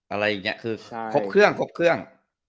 อะไรแบบนี้ครบเครื่อง